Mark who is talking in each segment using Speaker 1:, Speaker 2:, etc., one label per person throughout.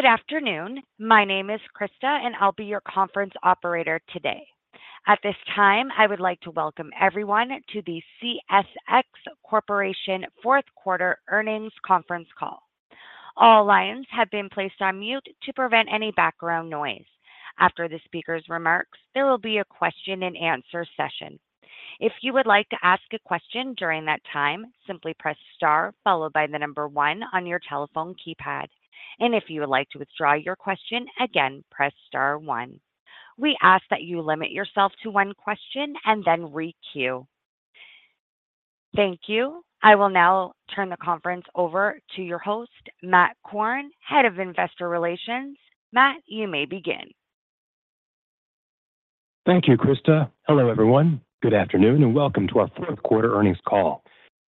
Speaker 1: Good afternoon. My name is Krista, and I'll be your conference operator today. At this time, I would like to welcome everyone to the CSX Corporation Fourth Quarter Earnings Conference Call. All lines have been placed on mute to prevent any background noise. After the speaker's remarks, there will be a question and answer session. If you would like to ask a question during that time, simply press Star, followed by the number one on your telephone keypad. If you would like to withdraw your question, again, press Star one. We ask that you limit yourself to one question and then re-queue. Thank you. I will now turn the conference over to your host, Matthew Korn, Head of Investor Relations. Matt, you may begin.
Speaker 2: Thank you, Krista. Hello, everyone. Good afternoon, and welcome to our Fourth Quarter Earnings Call.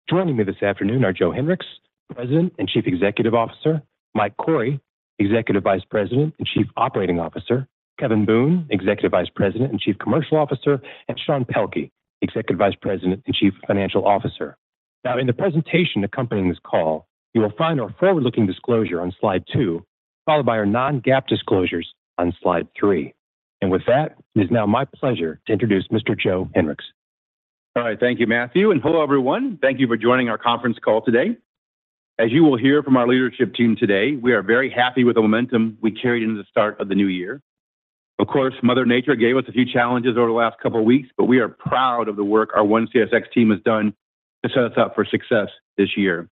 Speaker 2: Joining me this afternoon are Joe Hinrichs, President and Chief Executive Officer, Mike Cory, Executive Vice President and Chief Operating Officer, Kevin Boone, Executive Vice President and Chief Commercial Officer, and Sean Pelkey, Executive Vice President and Chief Financial Officer. Now, in the presentation accompanying this call, you will find our forward-looking disclosure on slide two, followed by our non-GAAP disclosures on slide three. And with that, it is now my pleasure to introduce Mr. Joe Hinrichs.
Speaker 3: All right, thank you, Matthew, and hello, everyone. Thank you for joining our conference call today. As you will hear from our leadership team today, we are very happy with the momentum we carried into the start of the new year. Of course, Mother Nature gave us a few challenges over the last couple of weeks, but we are proud of the work our One CSX team has done to set us up for success this year.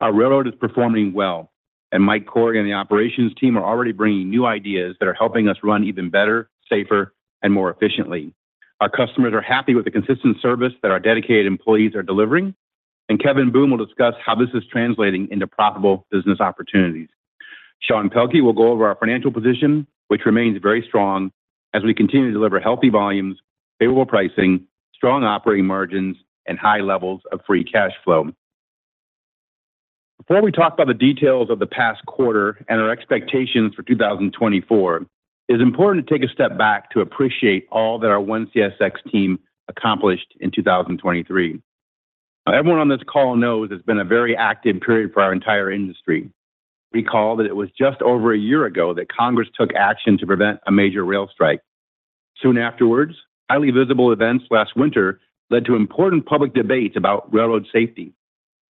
Speaker 3: Our railroad is performing well, and Mike Cory and the operations team are already bringing new ideas that are helping us run even better, safer, and more efficiently. Our customers are happy with the consistent service that our dedicated employees are delivering, and Kevin Boone will discuss how this is translating into profitable business opportunities. Sean Pelkey will go over our financial position, which remains very strong as we continue to deliver healthy volumes, favorable pricing, strong operating margins, and high levels of free cash flow. Before we talk about the details of the past quarter and our expectations for 2024, it's important to take a step back to appreciate all that our One CSX team accomplished in 2023. Everyone on this call knows it's been a very active period for our entire industry. Recall that it was just over a year ago that Congress took action to prevent a major rail strike. Soon afterwards, highly visible events last winter led to important public debates about railroad safety,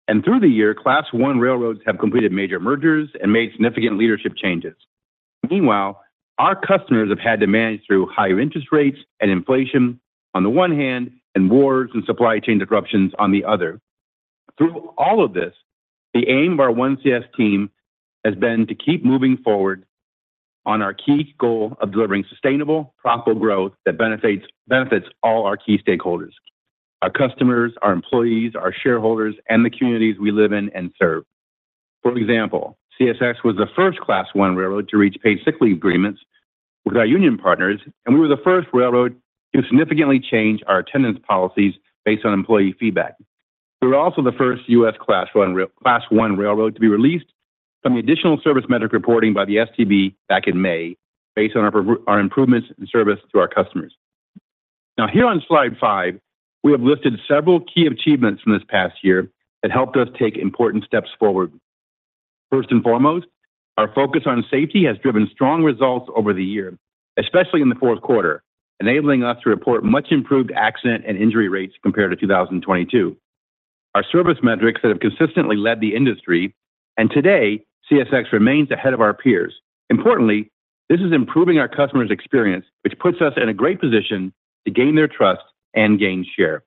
Speaker 3: and through the year, Class I railroads have completed major mergers and made significant leadership changes. Meanwhile, our customers have had to manage through higher interest rates and inflation on the one hand, and wars and supply chain disruptions on the other. Through all of this, the aim of our One CSX team has been to keep moving forward on our key goal of delivering sustainable, profitable growth that benefits, benefits all our key stakeholders: our customers, our employees, our shareholders, and the communities we live in and serve. For example, CSX was the first Class I railroad to reach paid sick leave agreements with our union partners, and we were the first railroad to significantly change our attendance policies based on employee feedback. We were also the first U.S. Class I rail- Class I railroad to be released from the additional service metric reporting by the STB back in May, based on our improvements in service to our customers. Now, here on slide FIVE, we have listed several key achievements from this past year that helped us take important steps forward. First and foremost, our focus on safety has driven strong results over the year, especially in the fourth quarter, enabling us to report much improved accident and injury rates compared to 2022. Our service metrics that have consistently led the industry, and today, CSX remains ahead of our peers. Importantly, this is improving our customer's experience, which puts us in a great position to gain their trust and gain share.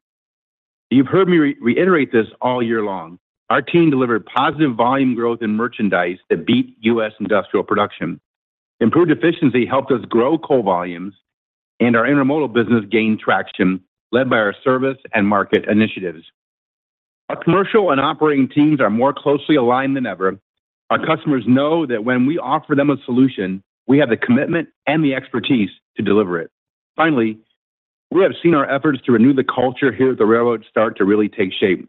Speaker 3: You've heard me reiterate this all year long. Our team delivered positive volume growth in merchandise that beat U.S. industrial production. Improved efficiency helped us grow coal volumes, and our intermodal business gained traction, led by our service and market initiatives. Our commercial and operating teams are more closely aligned than ever. Our customers know that when we offer them a solution, we have the commitment and the expertise to deliver it. Finally, we have seen our efforts to renew the culture here at the railroad start to really take shape.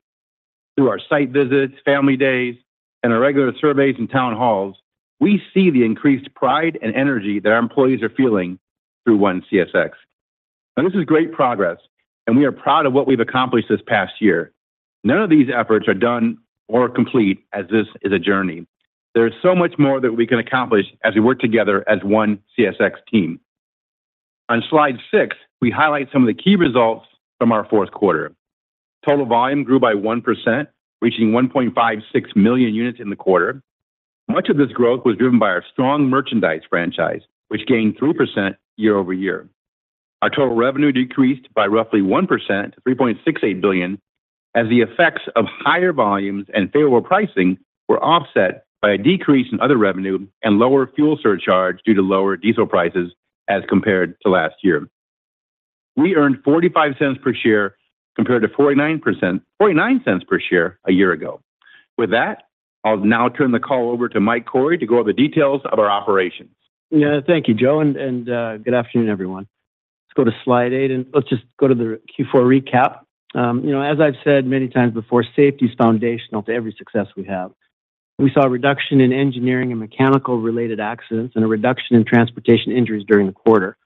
Speaker 3: Through our site visits, family days, and our regular surveys and town halls, we see the increased pride and energy that our employees are feeling through One CSX. This is great progress, and we are proud of what we've accomplished this past year. None of these efforts are done or complete, as this is a journey. There is so much more that we can accomplish as we work together as One CSX team. On slide six, we highlight some of the key results from our fourth quarter. Total volume grew by 1%, reaching 1.56 million units in the quarter. Much of this growth was driven by our strong merchandise franchise, which gained 3% year-over-year. Our total revenue decreased by roughly 1%, $3.68 billion, as the effects of higher volumes and favorable pricing were offset by a decrease in other revenue and lower fuel surcharge due to lower diesel prices as compared to last year. We earned $0.45 per share, compared to 49%, 49 cents per share a year ago. With that, I'll now turn the call over to Mike Cory to go over the details of our operations.
Speaker 4: Yeah, thank you, Joe, and good afternoon, everyone. Let's go to slide eight, and let's just go to the Q4 recap. You know, as I've said many times before, safety is foundational to every success we have. We saw a reduction in engineering and mechanical-related accidents and a reduction in transportation injuries during the quarter....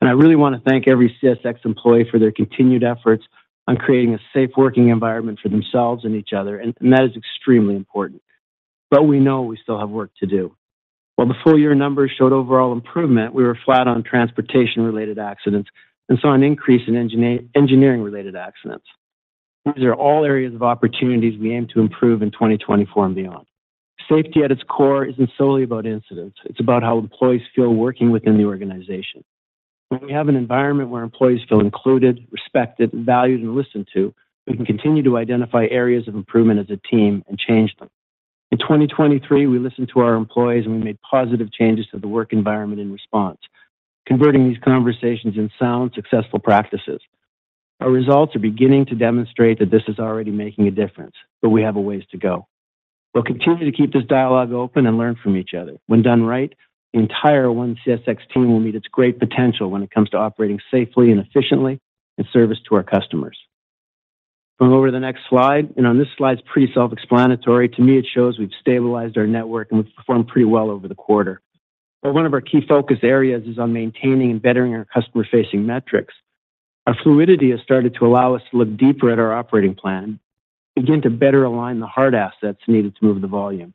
Speaker 4: And I really want to thank every CSX employee for their continued efforts on creating a safe working environment for themselves and each other, and that is extremely important. But we know we still have work to do. While the full year numbers showed overall improvement, we were flat on transportation-related accidents and saw an increase in engineering-related accidents. These are all areas of opportunities we aim to improve in 2024 and beyond. Safety at its core isn't solely about incidents, it's about how employees feel working within the organization. When we have an environment where employees feel included, respected, valued, and listened to, we can continue to identify areas of improvement as a team and change them. In 2023, we listened to our employees, and we made positive changes to the work environment in response, converting these conversations into sound, successful practices. Our results are beginning to demonstrate that this is already making a difference, but we have a ways to go. We'll continue to keep this dialogue open and learn from each other. When done right, the entire One CSX team will meet its great potential when it comes to operating safely and efficiently in service to our customers. Going over to the next slide, and on this slide, it's pretty self-explanatory. To me, it shows we've stabilized our network, and we've performed pretty well over the quarter. But one of our key focus areas is on maintaining and bettering our customer-facing metrics. Our fluidity has started to allow us to look deeper at our operating plan, begin to better align the hard assets needed to move the volume.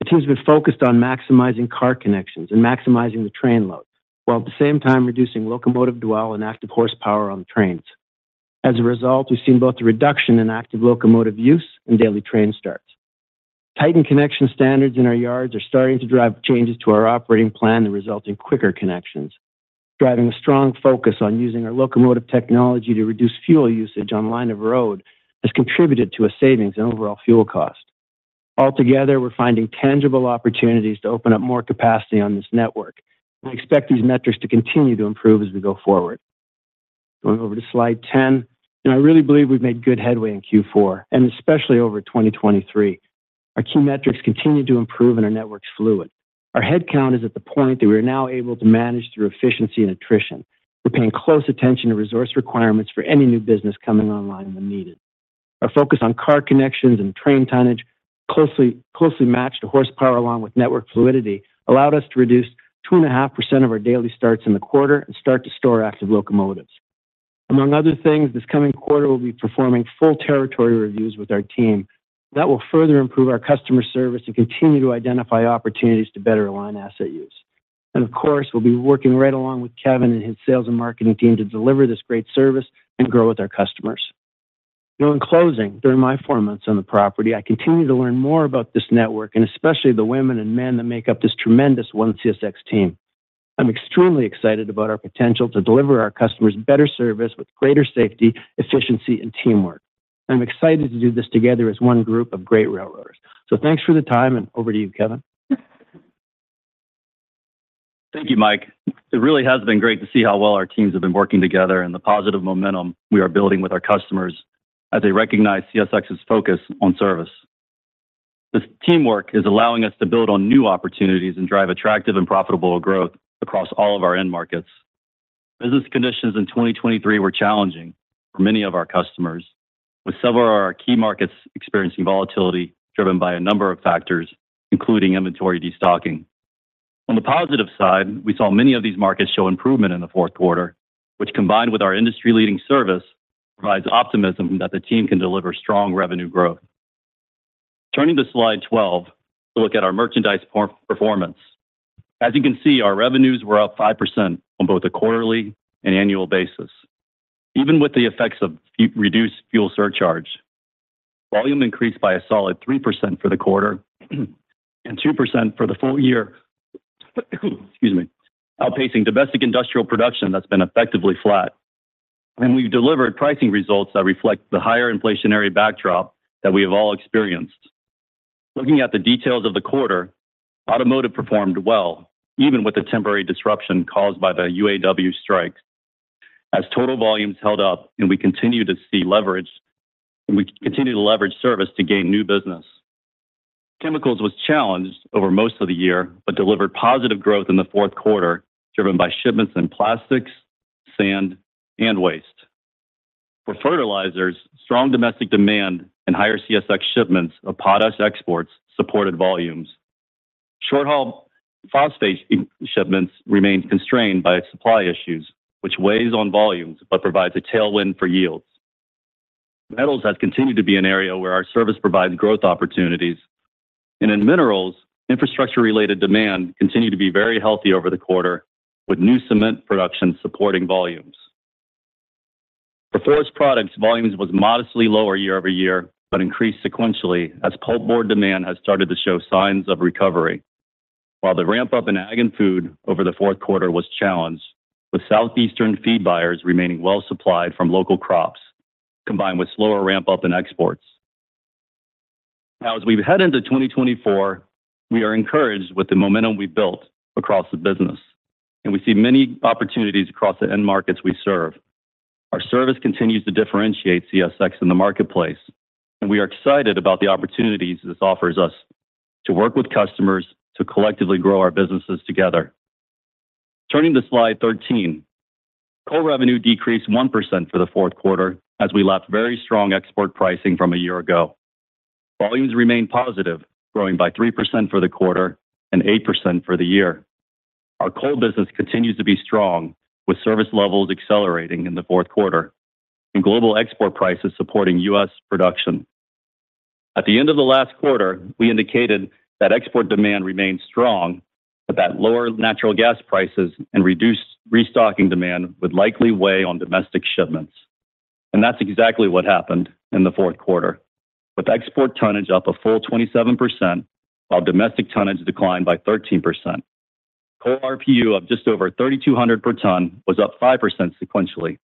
Speaker 4: The team's been focused on maximizing car connections and maximizing the train load, while at the same time reducing locomotive dwell and active horsepower on the trains. As a result, we've seen both a reduction in active locomotive use and daily train starts. Tightened connection standards in our yards are starting to drive changes to our operating plan that result in quicker connections. Driving a strong focus on using our locomotive technology to reduce fuel usage on line of road has contributed to a savings in overall fuel cost. Altogether, we're finding tangible opportunities to open up more capacity on this network. We expect these metrics to continue to improve as we go forward. Going over to slide 10, I really believe we've made good headway in Q4, and especially over 2023. Our key metrics continue to improve, and our network's fluid. Our headcount is at the point that we're now able to manage through efficiency and attrition. We're paying close attention to resource requirements for any new business coming online when needed. Our focus on car connections and train tonnage, closely, closely matched to horsepower along with network fluidity, allowed us to reduce 2.5% of our daily starts in the quarter and start to store active locomotives. Among other things, this coming quarter, we'll be performing full territory reviews with our team that will further improve our customer service and continue to identify opportunities to better align asset use. And of course, we'll be working right along with Kevin and his sales and marketing team to deliver this great service and grow with our customers. Now, in closing, during my four months on the property, I continue to learn more about this network and especially the women and men that make up this tremendous One CSX team. I'm extremely excited about our potential to deliver our customers better service with greater safety, efficiency, and teamwork. I'm excited to do this together as one group of great railroaders. Thanks for the time, and over to you, Kevin.
Speaker 5: Thank you, Mike. It really has been great to see how well our teams have been working together and the positive momentum we are building with our customers as they recognize CSX's focus on service. This teamwork is allowing us to build on new opportunities and drive attractive and profitable growth across all of our end markets. Business conditions in 2023 were challenging for many of our customers, with several of our key markets experiencing volatility, driven by a number of factors, including inventory destocking. On the positive side, we saw many of these markets show improvement in the fourth quarter, which, combined with our industry-leading service, provides optimism that the team can deliver strong revenue growth. Turning to slide 12, to look at our merchandise performance. As you can see, our revenues were up 5% on both a quarterly and annual basis. Even with the effects of reduced fuel surcharge, volume increased by a solid 3% for the quarter, and 2% for the full year, excuse me, outpacing domestic industrial production that's been effectively flat. And we've delivered pricing results that reflect the higher inflationary backdrop that we have all experienced. Looking at the details of the quarter, automotive performed well, even with the temporary disruption caused by the UAW strike, as total volumes held up and we continued to leverage service to gain new business. Chemicals was challenged over most of the year, but delivered positive growth in the fourth quarter, driven by shipments in plastics, sand, and waste. For fertilizers, strong domestic demand and higher CSX shipments of potash exports supported volumes. Short-haul phosphate shipments remained constrained by supply issues, which weighs on volumes, but provides a tailwind for yields. Metals has continued to be an area where our service provides growth opportunities. And in minerals, infrastructure-related demand continued to be very healthy over the quarter, with new cement production supporting volumes. For forest products, volumes was modestly lower year-over-year, but increased sequentially as pulpboard demand has started to show signs of recovery, while the ramp-up in ag and food over the fourth quarter was challenged, with Southeastern feed buyers remaining well supplied from local crops, combined with slower ramp-up in exports. Now, as we head into 2024, we are encouraged with the momentum we've built across the business, and we see many opportunities across the end markets we serve. Our service continues to differentiate CSX in the marketplace, and we are excited about the opportunities this offers us to work with customers to collectively grow our businesses together. Turning to slide 13, core revenue decreased 1% for the fourth quarter as we lacked very strong export pricing from a year ago. Volumes remained positive, growing by 3% for the quarter and 8% for the year. Our coal business continues to be strong, with service levels accelerating in the fourth quarter, and global export prices supporting U.S. production. At the end of the last quarter, we indicated that export demand remained strong, but that lower natural gas prices and reduced restocking demand would likely weigh on domestic shipments. And that's exactly what happened in the fourth quarter, with export tonnage up a full 27%, while domestic tonnage declined by 13%. Core RPU of just over 3,200 per ton was up 5% sequentially,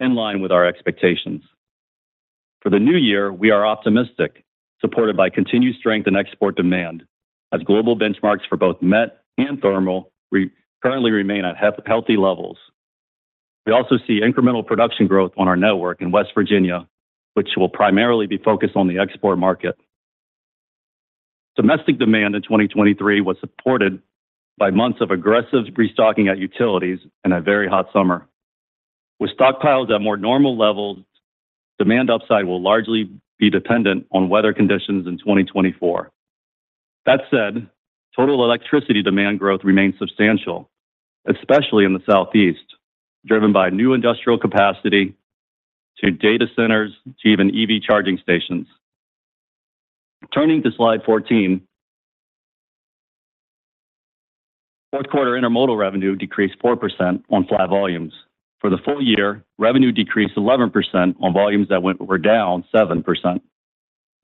Speaker 5: in line with our expectations. For the new year, we are optimistic, supported by continued strength in export demand, as global benchmarks for both met and thermal currently remain at healthy levels. We also see incremental production growth on our network in West Virginia, which will primarily be focused on the export market. Domestic demand in 2023 was supported by months of aggressive restocking at utilities and a very hot summer. With stockpiles at more normal levels, demand upside will largely be dependent on weather conditions in 2024. That said, total electricity demand growth remains substantial, especially in the Southeast, driven by new industrial capacity to data centers to even EV charging stations. Turning to slide 14, fourth quarter intermodal revenue decreased 4% on flat volumes. For the full year, revenue decreased 11% on volumes that were down 7%.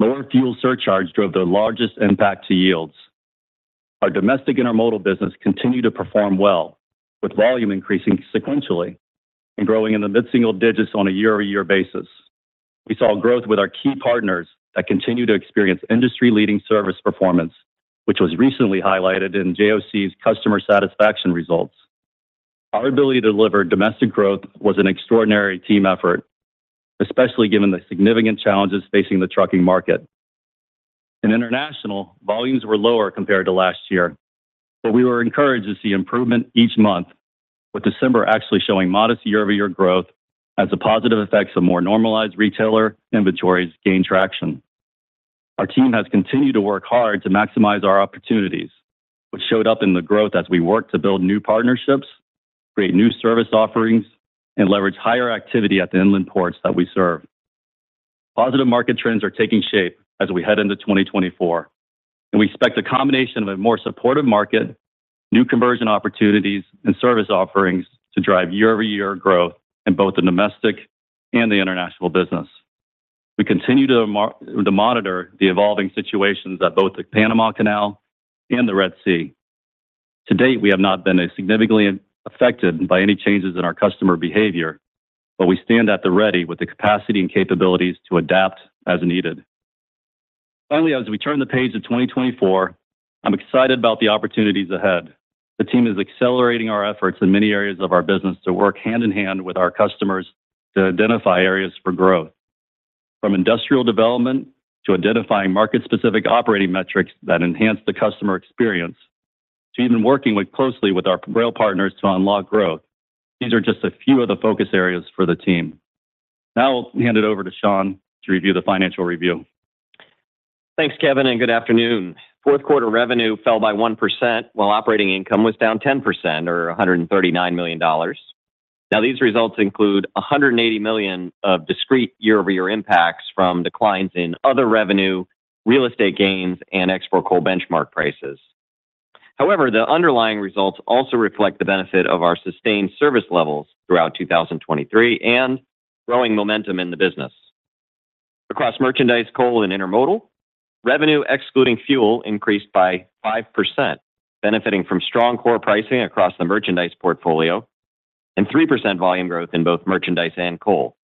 Speaker 5: Lower fuel surcharge drove the largest impact to yields. Our domestic intermodal business continued to perform well, with volume increasing sequentially and growing in the mid-single digits on a year-over-year basis. We saw growth with our key partners that continued to experience industry-leading service performance, which was recently highlighted in JOC's customer satisfaction results. Our ability to deliver domestic growth was an extraordinary team effort, especially given the significant challenges facing the trucking market. In international, volumes were lower compared to last year, but we were encouraged to see improvement each month, with December actually showing modest year-over-year growth as the positive effects of more normalized retailer inventories gained traction. Our team has continued to work hard to maximize our opportunities, which showed up in the growth as we worked to build new partnerships, create new service offerings, and leverage higher activity at the inland ports that we serve. Positive market trends are taking shape as we head into 2024, and we expect a combination of a more supportive market, new conversion opportunities, and service offerings to drive year-over-year growth in both the domestic and the international business. We continue to monitor the evolving situations at both the Panama Canal and the Red Sea. To date, we have not been as significantly affected by any changes in our customer behavior, but we stand at the ready with the capacity and capabilities to adapt as needed. Finally, as we turn the page to 2024, I'm excited about the opportunities ahead. The team is accelerating our efforts in many areas of our business to work hand-in-hand with our customers to identify areas for growth. From industrial development to identifying market-specific operating metrics that enhance the customer experience, to even working closely with our rail partners to unlock growth. These are just a few of the focus areas for the team. Now, I'll hand it over to Sean to review the financial review.
Speaker 6: Thanks, Kevin, and good afternoon. Fourth quarter revenue fell by 1%, while operating income was down 10%, or $139 million. Now, these results include $180 million of discrete year-over-year impacts from declines in other revenue, real estate gains, and export coal benchmark prices. However, the underlying results also reflect the benefit of our sustained service levels throughout 2023 and growing momentum in the business. Across merchandise, coal, and intermodal, revenue, excluding fuel, increased by 5%, benefiting from strong core pricing across the merchandise portfolio and 3% volume growth in both merchandise and coal.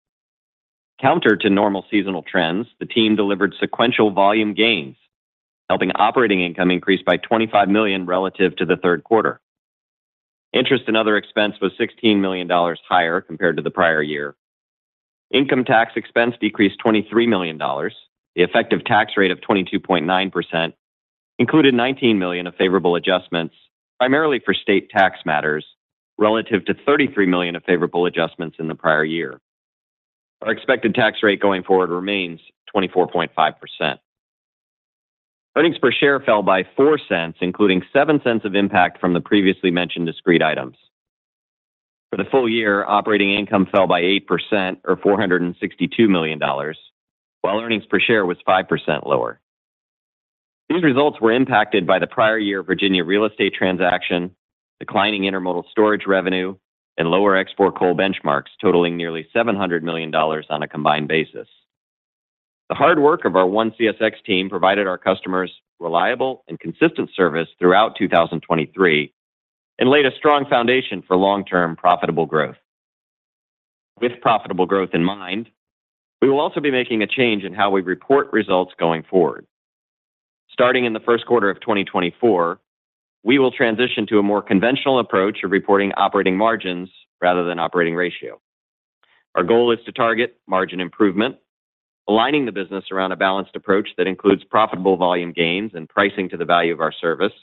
Speaker 6: Counter to normal seasonal trends, the team delivered sequential volume gains, helping operating income increase by $25 million relative to the third quarter. Interest and other expense was $16 million higher compared to the prior year. Income tax expense decreased $23 million. The effective tax rate of 22.9% included $19 million of favorable adjustments, primarily for state tax matters, relative to $33 million of favorable adjustments in the prior year. Our expected tax rate going forward remains 24.5%. Earnings per share fell by $0.04, including $0.07 of impact from the previously mentioned discrete items. For the full year, operating income fell by 8%, or $462 million, while earnings per share was 5% lower. These results were impacted by the prior year Virginia real estate transaction, declining intermodal storage revenue, and lower export coal benchmarks, totaling nearly $700 million on a combined basis. The hard work of our One CSX team provided our customers reliable and consistent service throughout 2023 and laid a strong foundation for long-term profitable growth. With profitable growth in mind, we will also be making a change in how we report results going forward. Starting in the first quarter of 2024, we will transition to a more conventional approach of reporting operating margins rather than operating ratio. Our goal is to target margin improvement, aligning the business around a balanced approach that includes profitable volume gains and pricing to the value of our service,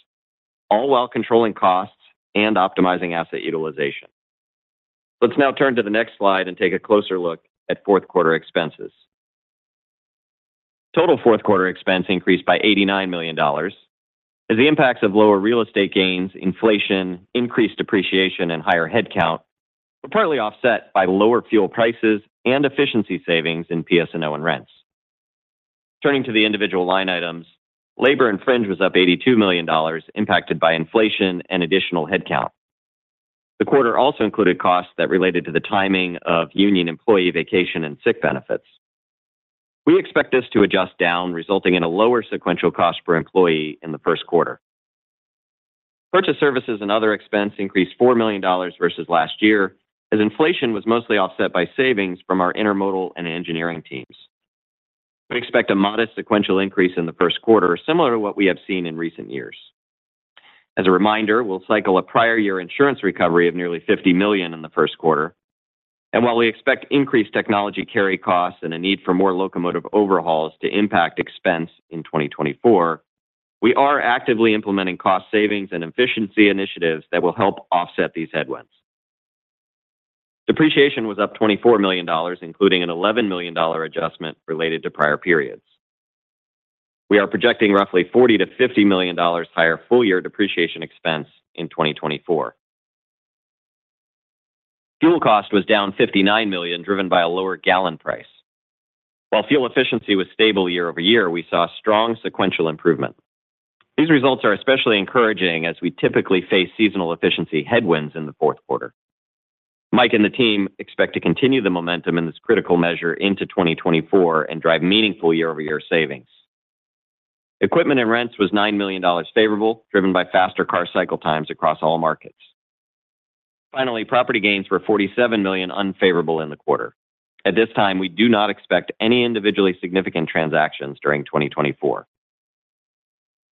Speaker 6: all while controlling costs and optimizing asset utilization. Let's now turn to the next slide and take a closer look at fourth quarter expenses. Total fourth quarter expense increased by $89 million, as the impacts of lower real estate gains, inflation, increased depreciation, and higher headcount were partly offset by lower fuel prices and efficiency savings in PS&O and rents. Turning to the individual line items, labor and fringe was up $82 million, impacted by inflation and additional headcount. The quarter also included costs that related to the timing of union employee vacation and sick benefits. We expect this to adjust down, resulting in a lower sequential cost per employee in the first quarter. Purchased services and other expense increased $4 million versus last year, as inflation was mostly offset by savings from our intermodal and engineering teams. We expect a modest sequential increase in the first quarter, similar to what we have seen in recent years. As a reminder, we'll cycle a prior year insurance recovery of nearly $50 million in the first quarter, and while we expect increased technology carry costs and a need for more locomotive overhauls to impact expense in 2024, we are actively implementing cost savings and efficiency initiatives that will help offset these headwinds. Depreciation was up $24 million, including an $11 million adjustment related to prior periods. We are projecting roughly $40 million-$50 million higher full-year depreciation expense in 2024. Fuel cost was down $59 million, driven by a lower gallon price. While fuel efficiency was stable year-over-year, we saw strong sequential improvement. These results are especially encouraging as we typically face seasonal efficiency headwinds in the fourth quarter. Mike and the team expect to continue the momentum in this critical measure into 2024 and drive meaningful year-over-year savings. Equipment and rents was $9 million favorable, driven by faster car cycle times across all markets. Finally, property gains were $47 million unfavorable in the quarter. At this time, we do not expect any individually significant transactions during 2024.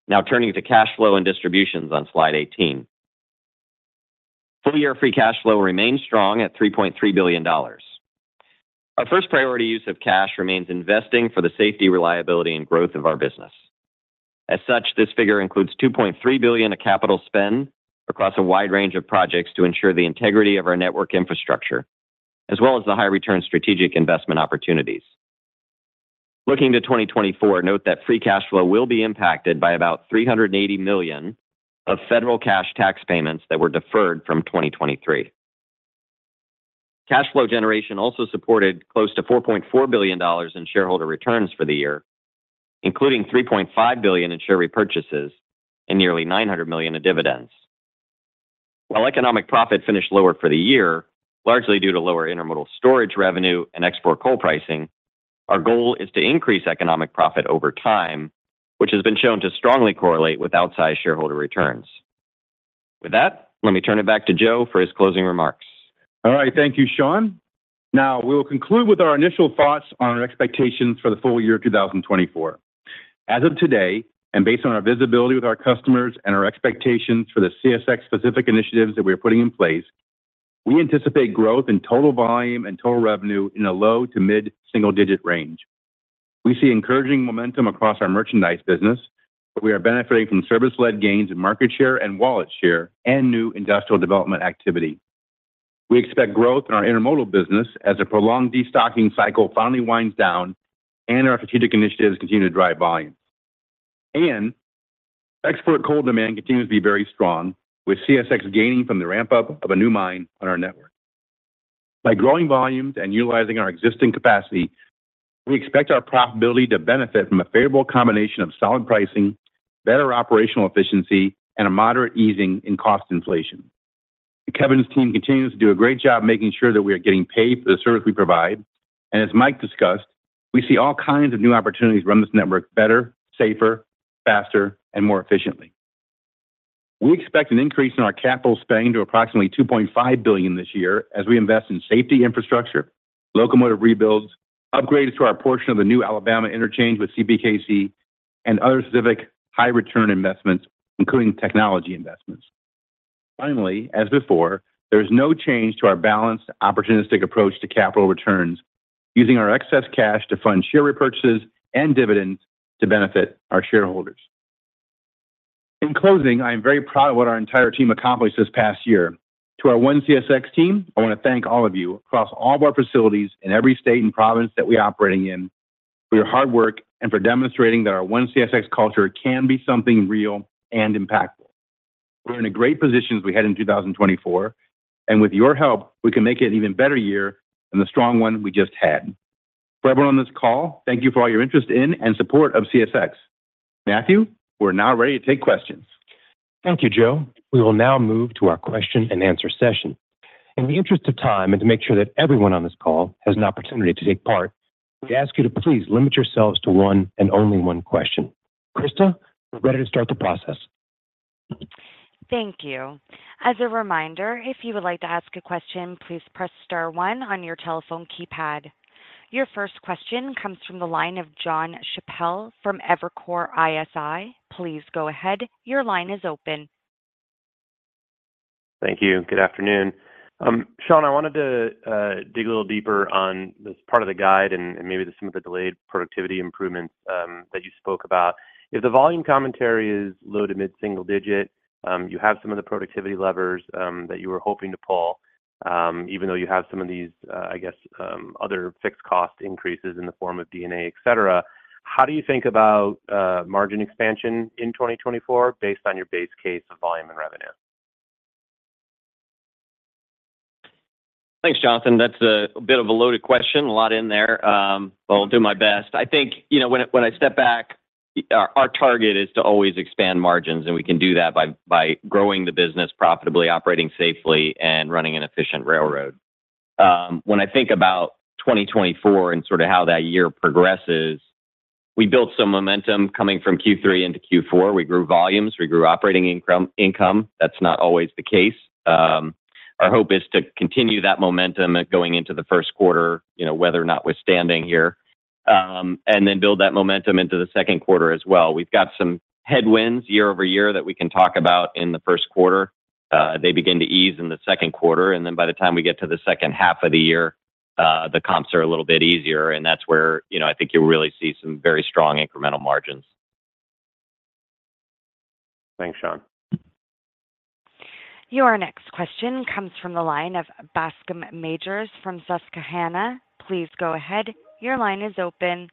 Speaker 6: Now, turning to cash flow and distributions on slide 18. Full year Free Cash Flow remained strong at $3.3 billion. Our first priority use of cash remains investing for the safety, reliability, and growth of our business. As such, this figure includes $2.3 billion of capital spend across a wide range of projects to ensure the integrity of our network infrastructure, as well as the high return strategic investment opportunities. Looking to 2024, note that free cash flow will be impacted by about $380 million of federal cash tax payments that were deferred from 2023. Cash flow generation also supported close to $4.4 billion in shareholder returns for the year, including $3.5 billion in share repurchases and nearly $900 million in dividends. While economic profit finished lower for the year, largely due to lower intermodal storage revenue and export coal pricing, our goal is to increase economic profit over time, which has been shown to strongly correlate with outsized shareholder returns. With that, let me turn it back to Joe for his closing remarks.
Speaker 3: All right. Thank you, Sean. Now, we will conclude with our initial thoughts on our expectations for the full year of 2024. As of today, and based on our visibility with our customers and our expectations for the CSX-specific initiatives that we are putting in place, we anticipate growth in total volume and total revenue in a low- to mid-single-digit range. We see encouraging momentum across our merchandise business, but we are benefiting from service-led gains in market share and wallet share, and new industrial development activity. We expect growth in our intermodal business as a prolonged destocking cycle finally winds down and our strategic initiatives continue to drive volume. And export coal demand continues to be very strong, with CSX gaining from the ramp-up of a new mine on our network. By growing volumes and utilizing our existing capacity, we expect our profitability to benefit from a favorable combination of solid pricing, better operational efficiency, and a moderate easing in cost inflation. Kevin's team continues to do a great job making sure that we are getting paid for the service we provide, and as Mike discussed, we see all kinds of new opportunities to run this network better, safer, faster, and more efficiently. We expect an increase in our capital spending to approximately $2.5 billion this year as we invest in safety infrastructure, locomotive rebuilds, upgrades to our portion of the new Alabama interchange with CPKC, and other specific high return investments, including technology investments. Finally, as before, there is no change to our balanced, opportunistic approach to capital returns, using our excess cash to fund share repurchases and dividends to benefit our shareholders. In closing, I am very proud of what our entire team accomplished this past year. To our One CSX team, I want to thank all of you across all of our facilities in every state and province that we are operating in, for your hard work and for demonstrating that our One CSX culture can be something real and impactful. We're in a great position as we head in 2024, and with your help, we can make it an even better year than the strong one we just had. For everyone on this call, thank you for all your interest in and support of CSX. Matthew, we're now ready to take questions.
Speaker 2: Thank you, Joe. We will now move to our question and answer session. In the interest of time and to make sure that everyone on this call has an opportunity to take part, we ask you to please limit yourselves to one and only one question. Krista, we're ready to start the process.
Speaker 1: Thank you. As a reminder, if you would like to ask a question, please press star one on your telephone keypad. Your first question comes from the line of Jon Chappell from Evercore ISI. Please go ahead. Your line is open.
Speaker 7: Thank you. Good afternoon. Sean, I wanted to dig a little deeper on this part of the guide and, and maybe some of the delayed productivity improvements that you spoke about. If the volume commentary is low to mid-single digit,... you have some of the productivity levers that you were hoping to pull, even though you have some of these, I guess, other fixed cost increases in the form of D&A, et cetera. How do you think about margin expansion in 2024 based on your base case of volume and revenue?
Speaker 6: Thanks, Jonathan. That's a bit of a loaded question. A lot in there. But I'll do my best. I think, you know, when I step back, our target is to always expand margins, and we can do that by growing the business profitably, operating safely, and running an efficient railroad. When I think about 2024 and sort of how that year progresses, we built some momentum coming from Q3 into Q4. We grew volumes, we grew operating income. That's not always the case. Our hope is to continue that momentum going into the first quarter, you know, whether or not withstanding here, and then build that momentum into the second quarter as well. We've got some headwinds year-over-year that we can talk about in the first quarter. They begin to ease in the second quarter, and then by the time we get to the second half of the year, the comps are a little bit easier, and that's where, you know, I think you'll really see some very strong incremental margins.
Speaker 4: Thanks, Sean.
Speaker 1: Your next question comes from the line of Bascome Majors from Susquehanna. Please go ahead. Your line is open.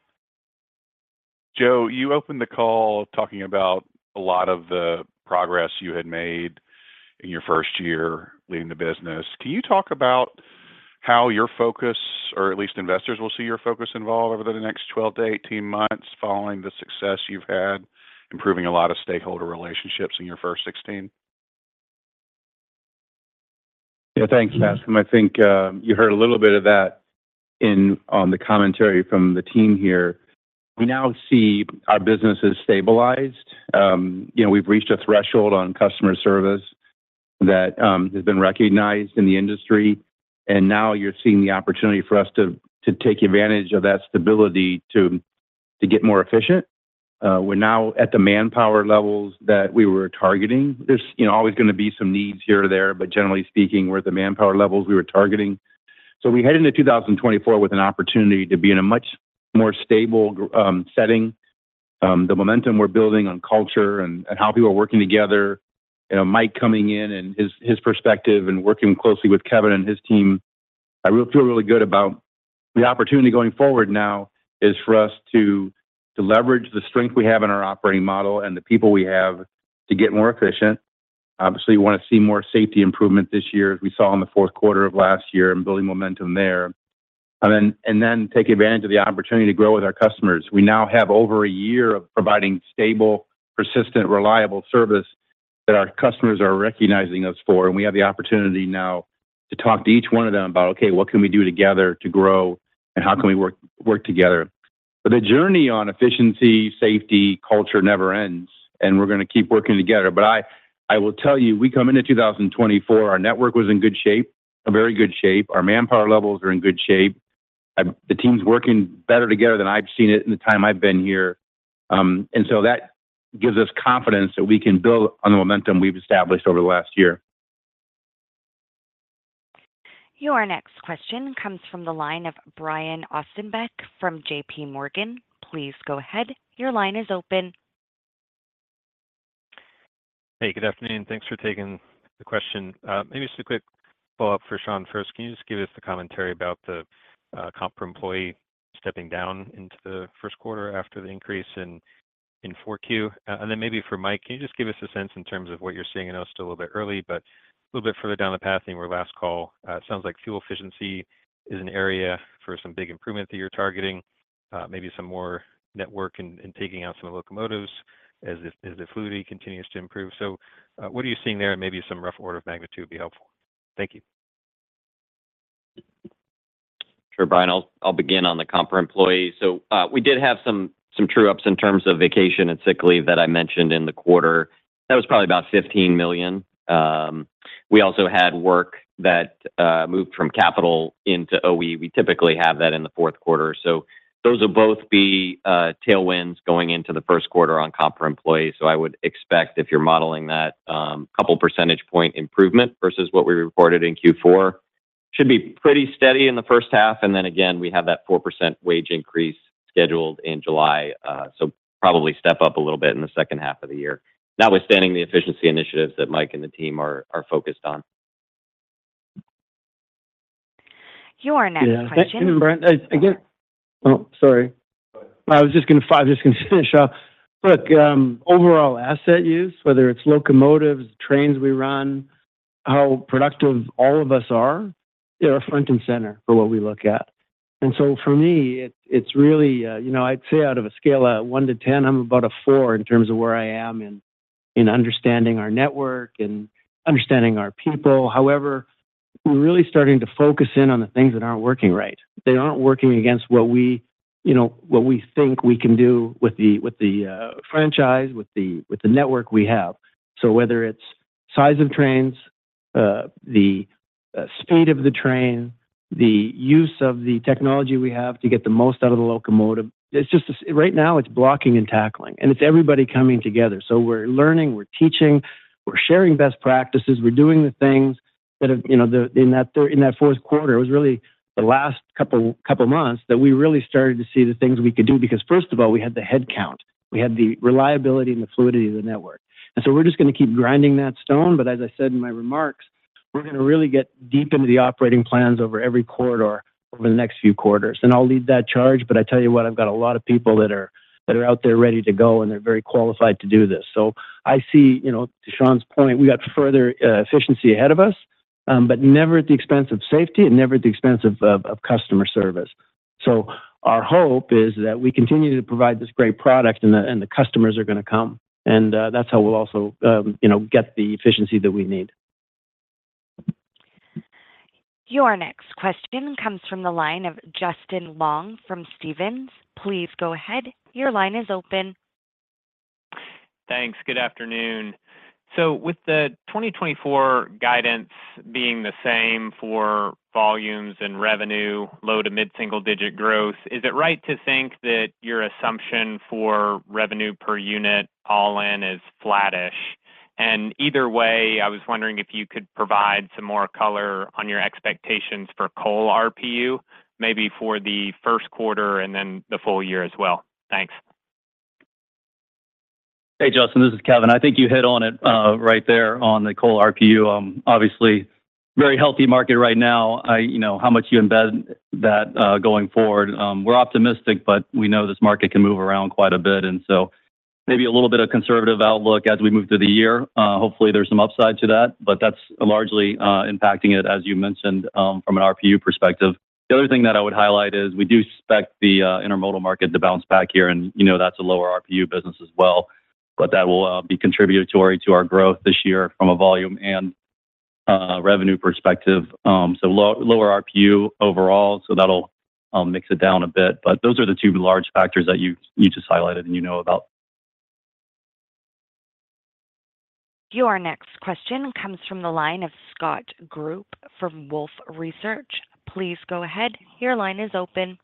Speaker 8: Joe, you opened the call talking about a lot of the progress you had made in your first year leading the business. Can you talk about how your focus, or at least investors, will see your focus involved over the next 12 month-18 months, following the success you've had, improving a lot of stakeholder relationships in your first 16?
Speaker 3: Yeah, thanks, Bascome. I think you heard a little bit of that on the commentary from the team here. We now see our business is stabilized. You know, we've reached a threshold on customer service that has been recognized in the industry, and now you're seeing the opportunity for us to take advantage of that stability to get more efficient. We're now at the manpower levels that we were targeting. There's, you know, always gonna be some needs here or there, but generally speaking, we're at the manpower levels we were targeting. So we head into 2024 with an opportunity to be in a much more stable setting. The momentum we're building on culture and how people are working together, you know, Mike coming in and his perspective and working closely with Kevin and his team, I feel really good about. The opportunity going forward now is for us to leverage the strength we have in our operating model and the people we have to get more efficient. Obviously, we want to see more safety improvement this year, as we saw in the fourth quarter of last year, and building momentum there. Then take advantage of the opportunity to grow with our customers. We now have over a year of providing stable, persistent, reliable service that our customers are recognizing us for, and we have the opportunity now to talk to each one of them about, "Okay, what can we do together to grow, and how can we work, work together?" But the journey on efficiency, safety, culture never ends, and we're gonna keep working together. But I will tell you, we come into 2024, our network was in good shape, a very good shape. Our manpower levels are in good shape. The team's working better together than I've seen it in the time I've been here. And so that gives us confidence that we can build on the momentum we've established over the last year.
Speaker 1: Your next question comes from the line of Brian Ossenbeck from JPMorgan. Please go ahead. Your line is open.
Speaker 9: Hey, good afternoon, and thanks for taking the question. Maybe just a quick follow-up for Sean first. Can you just give us the commentary about the comp per employee stepping down into the first quarter after the increase in 4Q? And then maybe for Mike, can you just give us a sense in terms of what you're seeing? I know it's still a little bit early, but a little bit further down the path than your last call. It sounds like fuel efficiency is an area for some big improvement that you're targeting, maybe some more network and taking out some of the locomotives as the fluidity continues to improve. So, what are you seeing there? And maybe some rough order of magnitude would be helpful. Thank you.
Speaker 6: Sure, Brian. I'll begin on the comp per employee. So, we did have some true ups in terms of vacation and sick leave that I mentioned in the quarter. That was probably about $15 million. We also had work that moved from capital into OE. We typically have that in the fourth quarter. So those will both be tailwinds going into the first quarter on comp per employee. So I would expect if you're modeling that, couple percentage point improvement versus what we reported in Q4. Should be pretty steady in the first half, and then again, we have that 4% wage increase scheduled in July, so probably step up a little bit in the second half of the year. Notwithstanding the efficiency initiatives that Mike and the team are focused on.
Speaker 1: Your next question-
Speaker 4: Yeah, again... Oh, sorry. I was just gonna follow, just gonna finish up. Look, overall asset use, whether it's locomotives, trains we run, how productive all of us are, they are front and center for what we look at. And so for me, it's, it's really, you know, I'd say out of a scale of one to 10, I'm about a four in terms of where I am in, in understanding our network and understanding our people. However, we're really starting to focus in on the things that aren't working right. They aren't working against what we, you know, what we think we can do with the, with the, franchise, with the, with the network we have. So whether it's size of trains, the speed of the train, the use of the technology we have to get the most out of the locomotive, it's just right now, it's blocking and tackling, and it's everybody coming together. So we're learning, we're teaching, we're sharing best practices, we're doing the things. ...that of, you know, in that fourth quarter, it was really the last couple of months that we really started to see the things we could do. Because first of all, we had the headcount, we had the reliability and the fluidity of the network. And so we're just going to keep grinding that stone. But as I said in my remarks, we're going to really get deep into the operating plans over every corridor over the next few quarters. And I'll lead that charge, but I tell you what, I've got a lot of people that are out there ready to go, and they're very qualified to do this. So I see, you know, to Sean's point, we got further efficiency ahead of us, but never at the expense of safety and never at the expense of customer service. So our hope is that we continue to provide this great product and the customers are going to come, and that's how we'll also, you know, get the efficiency that we need.
Speaker 1: Your next question comes from the line of Justin Long from Stephens. Please go ahead. Your line is open.
Speaker 10: Thanks. Good afternoon. So with the 2024 guidance being the same for volumes and revenue, low- to mid-single-digit growth, is it right to think that your assumption for revenue per unit all in is flattish? And either way, I was wondering if you could provide some more color on your expectations for coal RPU, maybe for the first quarter and then the full year as well. Thanks.
Speaker 5: Hey, Justin, this is Kevin. I think you hit on it right there on the coal RPU. Obviously, very healthy market right now. You know, how much you embed that going forward? We're optimistic, but we know this market can move around quite a bit, and so maybe a little bit of conservative outlook as we move through the year. Hopefully, there's some upside to that, but that's largely impacting it, as you mentioned, from an RPU perspective. The other thing that I would highlight is we do expect the intermodal market to bounce back here, and you know, that's a lower RPU business as well. But that will be contributory to our growth this year from a volume and revenue perspective. So lower RPU overall, so that'll mix it down a bit. Those are the two large factors that you just highlighted and you know about.
Speaker 1: Your next question comes from the line of Scott Group from Wolfe Research. Please go ahead. Your line is open.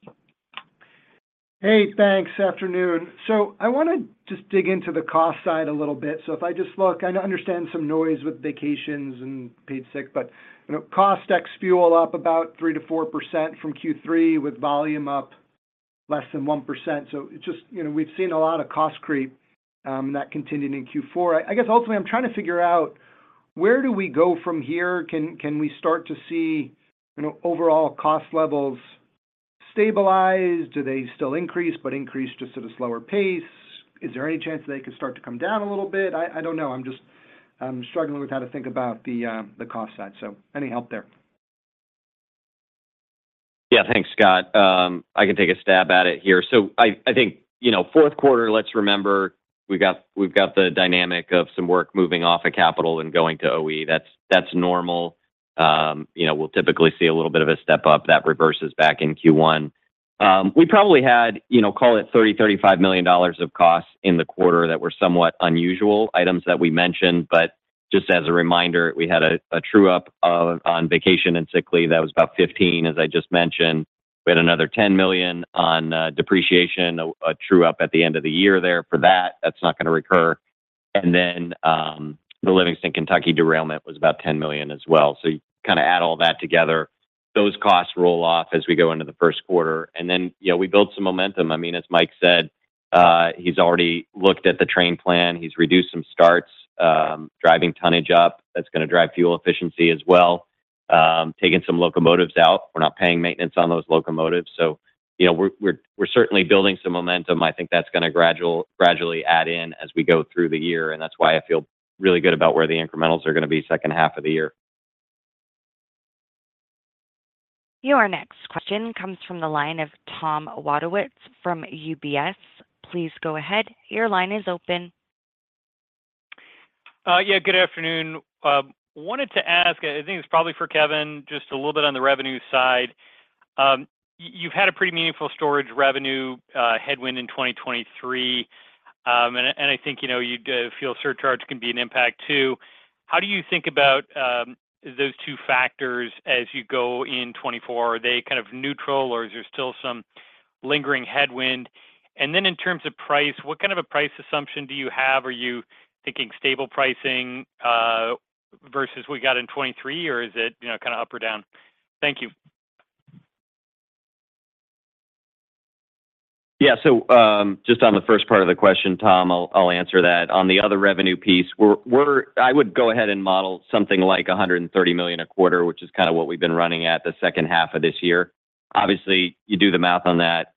Speaker 11: Hey, thanks. Afternoon. So I want to just dig into the cost side a little bit. So if I just look, I understand some noise with vacations and paid sick, but, you know, cost ex fuel up about 3%-4% from Q3, with volume up less than 1%. So it's just, you know, we've seen a lot of cost creep that continued in Q4. I guess ultimately, I'm trying to figure out where do we go from here? Can we start to see, you know, overall cost levels stabilize? Do they still increase, but increase just at a slower pace? Is there any chance they could start to come down a little bit? I don't know. I'm just. I'm struggling with how to think about the cost side. So any help there?
Speaker 6: Yeah. Thanks, Scott. I can take a stab at it here. So I think, you know, fourth quarter, let's remember, we've got, we've got the dynamic of some work moving off of capital and going to OE. That's, that's normal. You know, we'll typically see a little bit of a step-up that reverses back in Q1. We probably had, you know, call it $30 million-$35 million of costs in the quarter that were somewhat unusual items that we mentioned. But just as a reminder, we had a true-up on vacation and sick leave. That was about $15 million, as I just mentioned. We had another $10 million on depreciation, a true-up at the end of the year there for that. That's not going to recur. And then, the Livingston, Kentucky derailment was about $10 million as well. So you kind of add all that together. Those costs roll off as we go into the first quarter, and then, you know, we build some momentum. I mean, as Mike said, he's already looked at the train plan. He's reduced some starts, driving tonnage up. That's going to drive fuel efficiency as well. Taking some locomotives out, we're not paying maintenance on those locomotives. So, you know, we're certainly building some momentum. I think that's going to gradually add in as we go through the year, and that's why I feel really good about where the incrementals are going to be second half of the year.
Speaker 1: Your next question comes from the line of Thomas Wadewitz from UBS. Please go ahead. Your line is open.
Speaker 12: Yeah, good afternoon. Wanted to ask, I think it's probably for Kevin, just a little bit on the revenue side. You've had a pretty meaningful storage revenue headwind in 2023. And I think, you know, you fuel surcharge can be an impact too. How do you think about those two factors as you go in 2024? Are they kind of neutral, or is there still some lingering headwind? And then in terms of price, what kind of a price assumption do you have? Are you thinking stable pricing versus what we got in 2023, or is it, you know, kind of up or down? Thank you.
Speaker 6: Yeah. So, just on the first part of the question, Tom, I'll answer that. On the other revenue piece, we're, I would go ahead and model something like $130 million a quarter, which is kind of what we've been running at the second half of this year. Obviously, you do the math on that,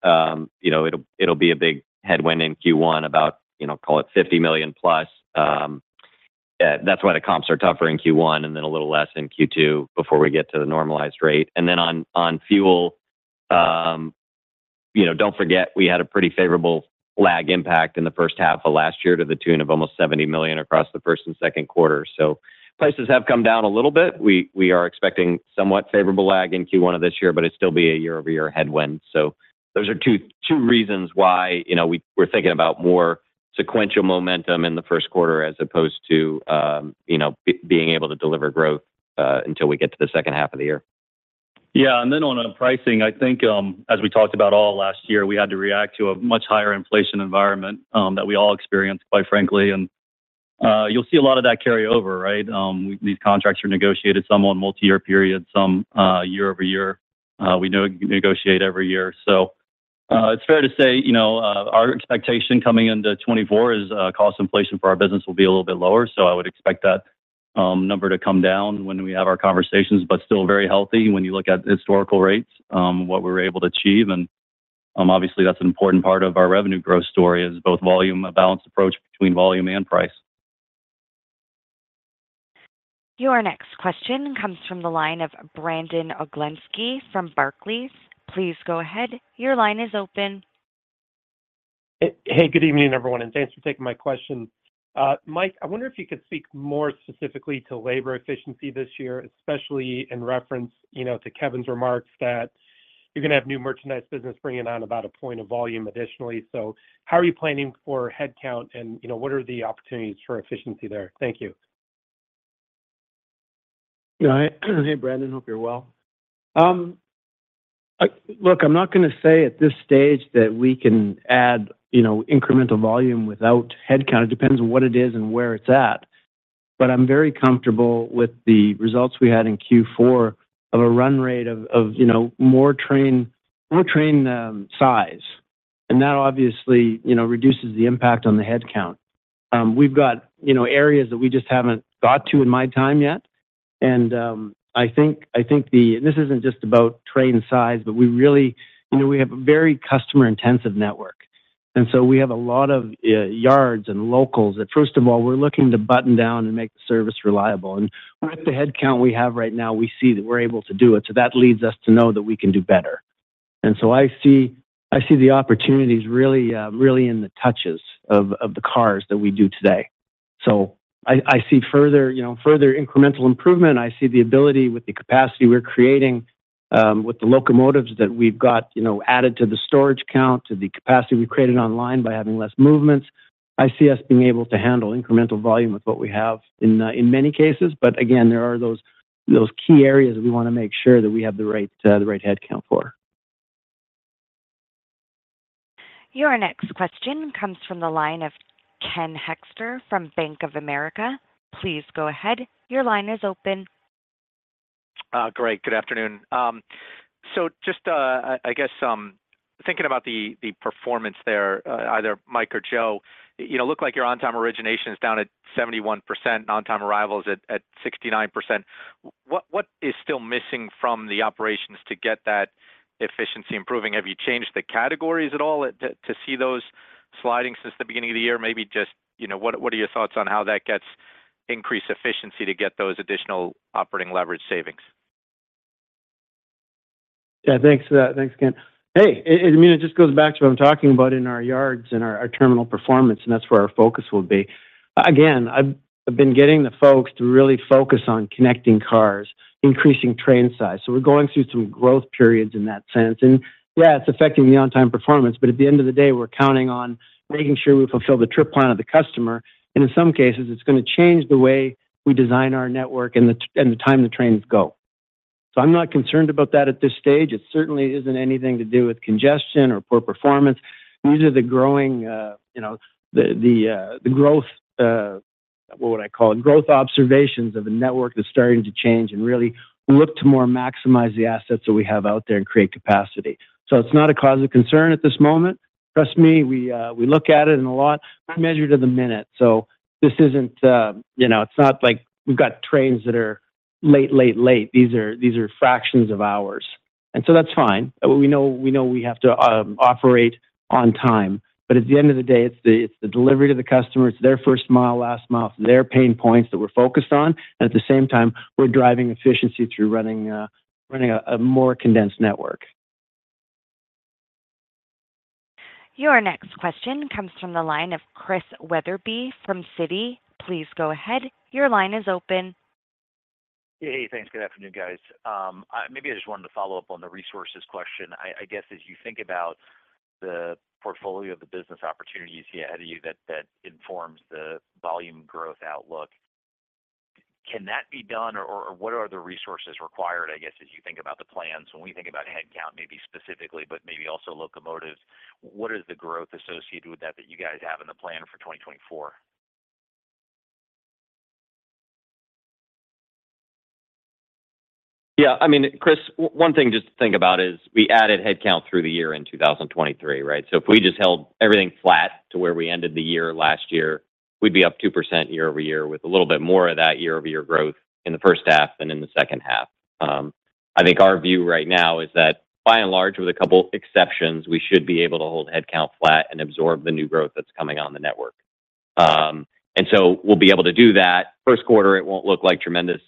Speaker 6: you know, it'll be a big headwind in Q1 about, you know, call it $50 million plus. Yeah, that's why the comps are tougher in Q1 and then a little less in Q2 before we get to the normalized rate. And then on fuel, you know, don't forget, we had a pretty favorable lag impact in the first half of last year to the tune of almost $70 million across the first and second quarter. So prices have come down a little bit. We are expecting somewhat favorable lag in Q1 of this year, but it'll still be a year-over-year headwind. So those are two reasons why, you know, we're thinking about more sequential momentum in the first quarter as opposed to, you know, being able to deliver growth until we get to the second half of the year. ...
Speaker 5: Yeah, and then on pricing, I think, as we talked about all last year, we had to react to a much higher inflation environment, that we all experienced, quite frankly. And, you'll see a lot of that carry over, right? These contracts are negotiated, some on multi-year periods, some, year-over-year. We negotiate every year. So, it's fair to say, you know, our expectation coming into 2024 is, cost inflation for our business will be a little bit lower. So I would expect that, number to come down when we have our conversations, but still very healthy when you look at historical rates, what we were able to achieve. And, obviously, that's an important part of our revenue growth story, is both volume, a balanced approach between volume and price.
Speaker 1: Your next question comes from the line of Brandon Oglenski from Barclays. Please go ahead, your line is open.
Speaker 13: Hey, good evening, everyone, and thanks for taking my question. Mike, I wonder if you could speak more specifically to labor efficiency this year, especially in reference, you know, to Kevin's remarks, that you're gonna have new merchandise business bringing on about a point of volume additionally. So how are you planning for headcount? And, you know, what are the opportunities for efficiency there? Thank you.
Speaker 4: Yeah. Hey, Brandon, hope you're well. Look, I'm not gonna say at this stage that we can add, you know, incremental volume without headcount. It depends on what it is and where it's at. But I'm very comfortable with the results we had in Q4 of a run rate of you know more train size. And that obviously, you know, reduces the impact on the headcount. We've got you know areas that we just haven't got to in my time yet, and I think and this isn't just about train size, but we really, you know, we have a very customer-intensive network. And so we have a lot of yards and locals that, first of all, we're looking to button down and make the service reliable. With the headcount we have right now, we see that we're able to do it, so that leads us to know that we can do better. So I see the opportunities really, really in the touches of the cars that we do today. So I see further, you know, further incremental improvement. I see the ability with the capacity we're creating with the locomotives that we've got, you know, added to the storage count, to the capacity we've created online by having less movements. I see us being able to handle incremental volume with what we have in many cases. But again, there are those key areas that we wanna make sure that we have the right headcount for.
Speaker 1: Your next question comes from the line of Ken Hoexter from Bank of America. Please go ahead, your line is open.
Speaker 14: Great. Good afternoon. So just, I guess, thinking about the performance there, either Mike or Joe, you know, look like your on-time origination is down at 71%, and on-time arrival is at 69%. What is still missing from the operations to get that efficiency improving? Have you changed the categories at all to see those sliding since the beginning of the year? Maybe just, you know, what are your thoughts on how that gets increased efficiency to get those additional operating leverage savings?
Speaker 4: Yeah, thanks for that. Thanks, Ken. Hey, and, I mean, it just goes back to what I'm talking about in our yards and our terminal performance, and that's where our focus will be. Again, I've been getting the folks to really focus on connecting cars, increasing train size, so we're going through some growth periods in that sense. And yeah, it's affecting the on-time performance, but at the end of the day, we're counting on making sure we fulfill the trip plan of the customer, and in some cases, it's gonna change the way we design our network and the time the trains go. So I'm not concerned about that at this stage. It certainly isn't anything to do with congestion or poor performance. These are the growing, you know, the growth, what would I call it? Growth observations of a network that's starting to change, and really look to more maximize the assets that we have out there and create capacity. So it's not a cause of concern at this moment. Trust me, we, we look at it and a lot, we measure to the minute, so this isn't, you know, it's not like we've got trains that are late, late, late. These are, these are fractions of hours, and so that's fine. We know, we know we have to operate on time, but at the end of the day, it's the, it's the delivery to the customer. It's their first mile, last mile, it's their pain points that we're focused on, and at the same time, we're driving efficiency through running a more condensed network.
Speaker 1: Your next question comes from the line of Chris Wetherbee from Citi. Please go ahead, your line is open.
Speaker 15: Hey, hey, thanks. Good afternoon, guys. Maybe I just wanted to follow up on the resources question. I, I guess, as you think about the portfolio of the business opportunities you see ahead of you, that, that informs the volume growth outlook, can that be done, or, or what are the resources required, I guess, as you think about the plans? When we think about headcount, maybe specifically, but maybe also locomotives, what is the growth associated with that that you guys have in the plan for 2024?
Speaker 6: Yeah, I mean, Chris, one thing to just think about is we added headcount through the year in 2023, right? So if we just held everything flat to where we ended the year last year, we'd be up 2% year-over-year, with a little bit more of that year-over-year growth in the first half than in the second half. I think our view right now is that, by and large, with a couple exceptions, we should be able to hold headcount flat and absorb the new growth that's coming on the network. And so we'll be able to do that. First quarter, it won't look like tremendous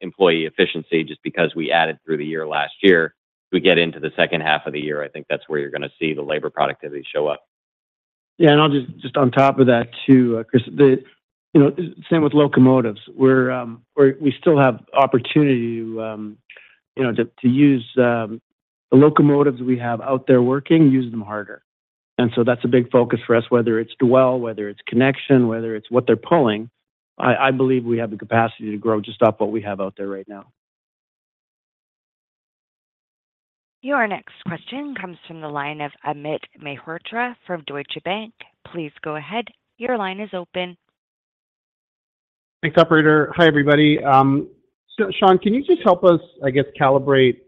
Speaker 6: employee efficiency just because we added through the year last year. We get into the second half of the year, I think that's where you're gonna see the labor productivity show up.
Speaker 3: Yeah, and I'll just, just on top of that too, Chris, the, you know, same with locomotives. We still have opportunity to, you know, to, to use the locomotives we have out there working, use them harder. ...And so that's a big focus for us, whether it's dwell, whether it's connection, whether it's what they're pulling. I, I believe we have the capacity to grow just off what we have out there right now.
Speaker 1: Your next question comes from the line of Amit Mehrotra from Deutsche Bank. Please go ahead. Your line is open.
Speaker 16: Thanks, operator. Hi, everybody. So Sean, can you just help us, I guess, calibrate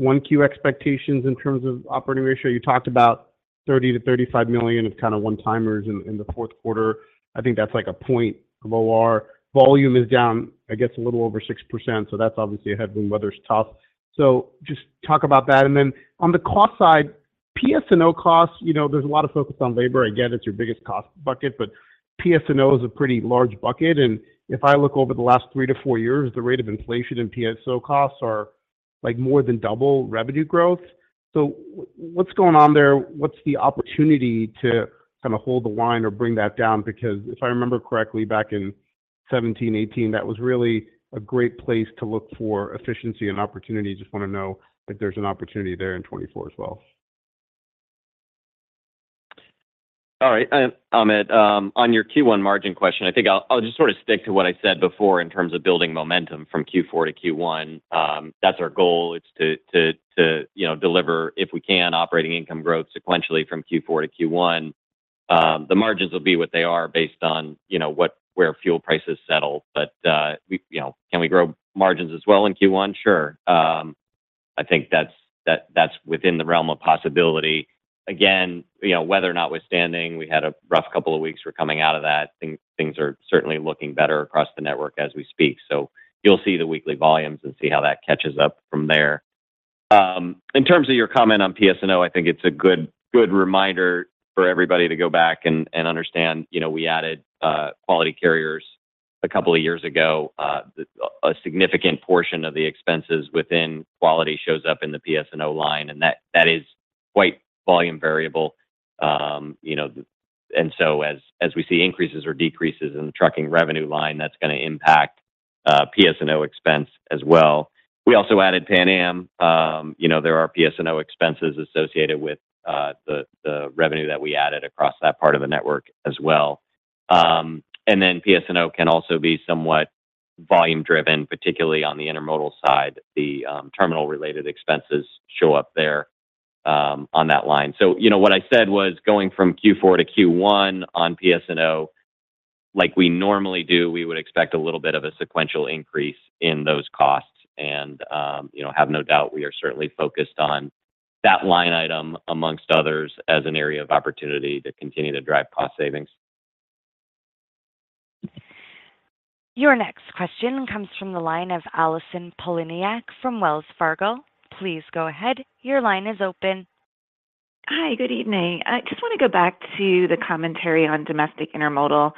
Speaker 16: Q1 expectations in terms of operating ratio? You talked about $30 million-$35 million of kind of one-timers in the fourth quarter. I think that's like 1 point of OR. Volume is down, I guess, a little over 6%, so that's obviously a headwind. Weather's tough. So just talk about that. And then on the cost side, PS&O costs, you know, there's a lot of focus on labor. Again, it's your biggest cost bucket, but PS&O is a pretty large bucket, and if I look over the last three to four years, the rate of inflation in PS&O costs are, like, more than double revenue growth. So what's going on there? What's the opportunity to kind of hold the line or bring that down? Because if I remember correctly, back in 2017, 2018, that was really a great place to look for efficiency and opportunity. Just want to know if there's an opportunity there in 2024 as well?
Speaker 6: All right, and Amit, on your Q1 margin question, I think I'll just sort of stick to what I said before in terms of building momentum from Q4 to Q1. That's our goal. It's to you know, deliver, if we can, operating income growth sequentially from Q4 to Q1. The margins will be what they are based on, you know, what where fuel prices settle. But we, you know, can we grow margins as well in Q1? Sure. I think that's within the realm of possibility. Again, you know, weather notwithstanding, we had a rough couple of weeks. We're coming out of that. Things are certainly looking better across the network as we speak. So you'll see the weekly volumes and see how that catches up from there. In terms of your comment on PS&O, I think it's a good, good reminder for everybody to go back and, and understand, you know, we added Quality Carriers a couple of years ago. A significant portion of the expenses within Quality shows up in the PS&O line, and that, that is quite volume variable. You know, and so as, as we see increases or decreases in the trucking revenue line, that's gonna impact PS&O expense as well. We also added Pan Am. You know, there are PS&O expenses associated with the, the revenue that we added across that part of the network as well. And then PS&O can also be somewhat volume-driven, particularly on the intermodal side. The terminal-related expenses show up there on that line. So, you know, what I said was going from Q4 to Q1 on PS&O, like we normally do, we would expect a little bit of a sequential increase in those costs. And, you know, have no doubt, we are certainly focused on that line item, among others, as an area of opportunity to continue to drive cost savings.
Speaker 1: Your next question comes from the line of Allison Poliniak from Wells Fargo. Please go ahead. Your line is open.
Speaker 17: Hi, good evening. I just want to go back to the commentary on domestic intermodal,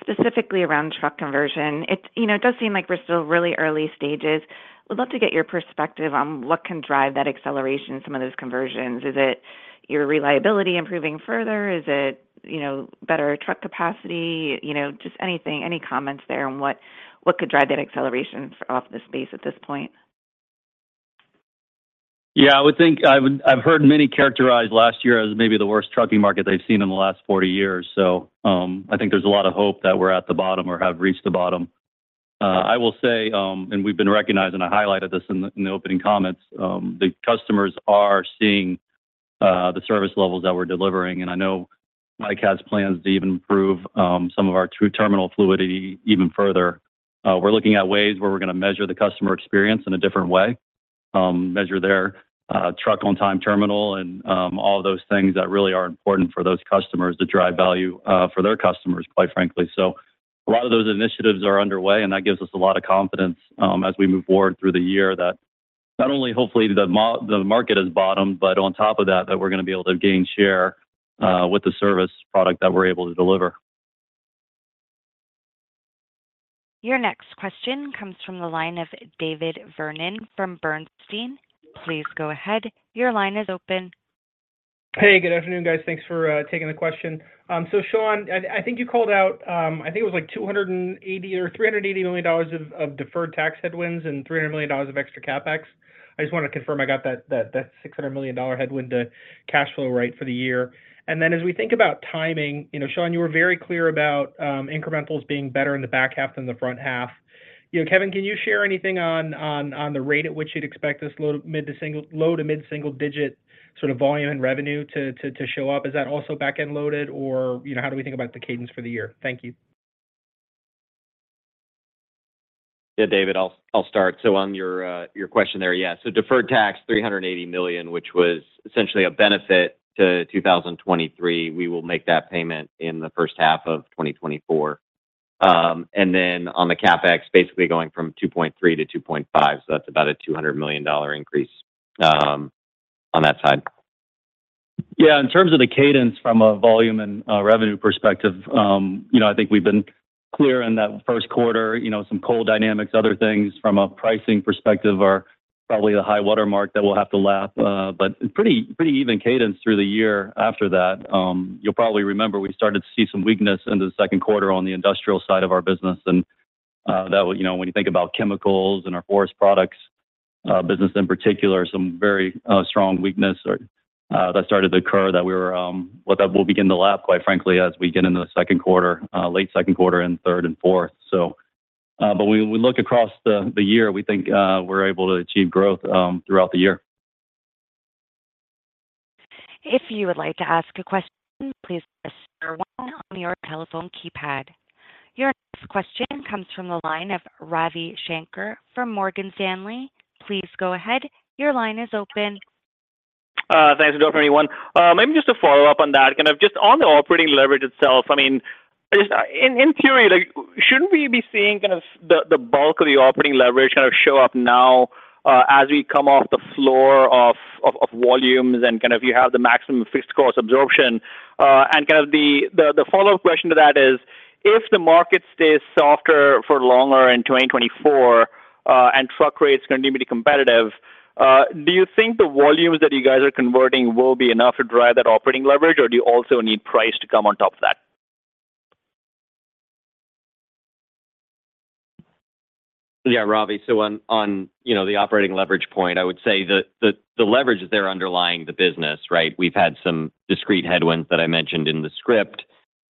Speaker 17: specifically around truck conversion. It, you know, it does seem like we're still really early stages. Would love to get your perspective on what can drive that acceleration, some of those conversions? Is it your reliability improving further? Is it, you know, better truck capacity? You know, just anything, any comments there on what, what could drive that acceleration off the space at this point?
Speaker 5: Yeah, I would think. I've heard many characterize last year as maybe the worst trucking market they've seen in the last 40 years. So, I think there's a lot of hope that we're at the bottom or have reached the bottom. I will say, and we've been recognizing. I highlighted this in the opening comments, the customers are seeing the service levels that we're delivering. And I know Mike has plans to even improve some of our intermodal terminal fluidity even further. We're looking at ways where we're going to measure the customer experience in a different way, measure their truck on time terminal and all of those things that really are important for those customers to drive value for their customers, quite frankly. So a lot of those initiatives are underway, and that gives us a lot of confidence as we move forward through the year that not only hopefully the market has bottomed, but on top of that, that we're going to be able to gain share with the service product that we're able to deliver.
Speaker 1: Your next question comes from the line of David Vernon from Bernstein. Please go ahead. Your line is open.
Speaker 18: Hey, good afternoon, guys. Thanks for taking the question. So, Sean, I think you called out, I think it was like $280 million or $380 million of deferred tax headwinds and $300 million of extra CapEx. I just want to confirm I got that $600 million headwind to the cash flow right for the year. And then, as we think about timing, you know, Sean, you were very clear about incrementals being better in the back half than the front half. You know, Kevin, can you share anything on the rate at which you'd expect this low to mid single digit sort of volume and revenue to show up? Is that also back-end loaded, or, you know, how do we think about the cadence for the year? Thank you.
Speaker 6: Yeah, David, I'll start. So on your question there, yeah, so deferred tax, $380 million, which was essentially a benefit to 2023, we will make that payment in the first half of 2024. And then on the CapEx, basically going from 2.3 to 2.5, so that's about a $200 million increase on that side.
Speaker 5: Yeah, in terms of the cadence from a volume and revenue perspective, you know, I think we've been clear in that first quarter, you know, some coal dynamics, other things from a pricing perspective are probably the high-water mark that we'll have to lap, but pretty, pretty even cadence through the year after that. You'll probably remember we started to see some weakness in the second quarter on the industrial side of our business, and that you know, when you think about chemicals and our forest products business in particular, some very strong weakness that started to occur that we were, well, that we'll begin to lap, quite frankly, as we get into the second quarter, late second quarter and third and fourth. So, but when we look across the year, we think we're able to achieve growth throughout the year.
Speaker 1: If you would like to ask a question, please press star one on your telephone keypad. Your next question comes from the line of Ravi Shanker from Morgan Stanley. Please go ahead. Your line is open.
Speaker 19: Thanks for everyone. Maybe just to follow up on that, kind of just on the operating leverage itself, I mean, just in theory, like, shouldn't we be seeing kind of the bulk of the operating leverage kind of show up now, as we come off the floor of volumes and kind of you have the maximum fixed cost absorption? And kind of the follow-up question to that is, if the market stays softer for longer in 2024, and truck rates continue to be competitive, do you think the volumes that you guys are converting will be enough to drive that operating leverage, or do you also need price to come on top of that?
Speaker 6: Yeah, Ravi. So on, you know, the operating leverage point, I would say the leverage is there underlying the business, right? We've had some discrete headwinds that I mentioned in the script,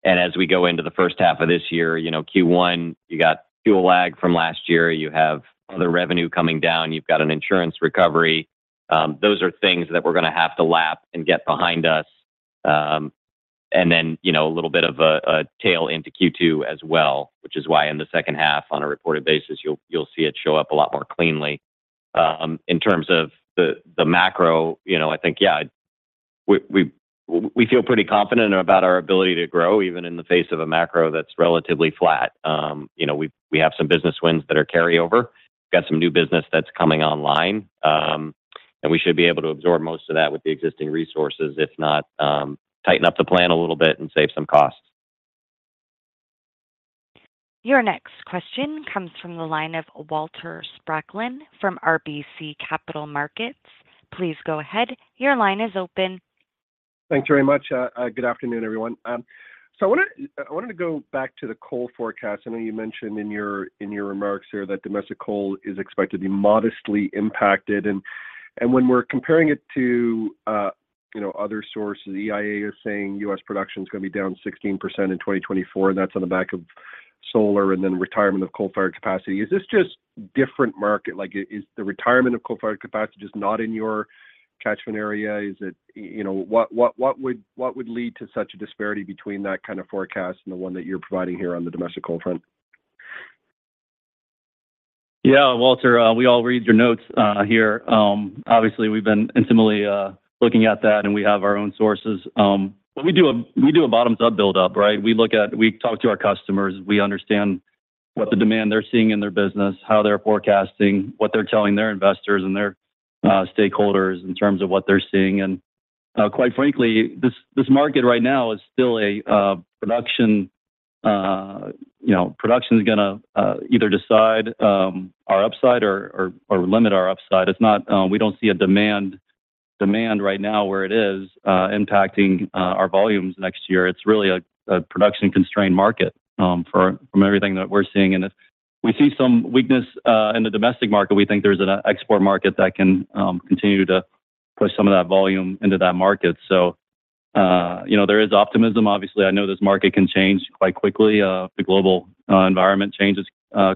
Speaker 6: and as we go into the first half of this year, you know, Q1, you got fuel lag from last year, you have other revenue coming down, you've got an insurance recovery. Those are things that we're gonna have to lap and get behind us. And then, you know, a little bit of a tail into Q2 as well, which is why in the second half, on a reported basis, you'll see it show up a lot more cleanly. In terms of the macro, you know, I think, yeah, we feel pretty confident about our ability to grow, even in the face of a macro that's relatively flat. You know, we have some business wins that are carryover. We've got some new business that's coming online, and we should be able to absorb most of that with the existing resources, if not, tighten up the plan a little bit and save some costs.
Speaker 1: Your next question comes from the line of Walter Spracklin from RBC Capital Markets. Please go ahead. Your line is open.
Speaker 20: Thanks very much. Good afternoon, everyone. So I wanted to go back to the coal forecast. I know you mentioned in your remarks here that domestic coal is expected to be modestly impacted. And when we're comparing it to, you know, other sources, EIA is saying U.S. production is gonna be down 16% in 2024, and that's on the back of solar and then retirement of coal-fired capacity. Is this just different market? Like, is the retirement of coal-fired capacity just not in your catchment area? Is it—you know, what would lead to such a disparity between that kind of forecast and the one that you're providing here on the domestic coal front?
Speaker 5: Yeah, Walter, we all read your notes here. Obviously, we've been intimately looking at that, and we have our own sources. But we do a bottom-up build-up, right? We look at—we talk to our customers, we understand what the demand they're seeing in their business, how they're forecasting, what they're telling their investors and their stakeholders in terms of what they're seeing. And, quite frankly, this market right now is still a production... You know, production is gonna either decide our upside or limit our upside. It's not, we don't see a demand right now where it is impacting our volumes next year. It's really a production-constrained market, from everything that we're seeing. If we see some weakness in the domestic market, we think there's an export market that can continue to push some of that volume into that market. So, you know, there is optimism. Obviously, I know this market can change quite quickly, the global environment changes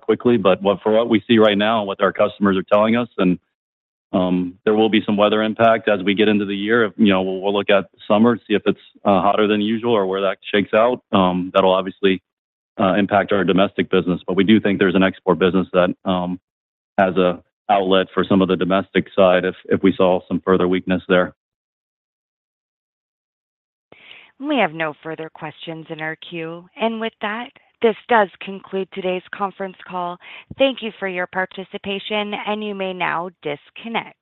Speaker 5: quickly. But for what we see right now and what our customers are telling us, and there will be some weather impact as we get into the year. You know, we'll look at summer, see if it's hotter than usual or where that shakes out. That'll obviously impact our domestic business. But we do think there's an export business that has an outlet for some of the domestic side if we saw some further weakness there.
Speaker 1: We have no further questions in our queue. With that, this does conclude today's conference call. Thank you for your participation, and you may now disconnect.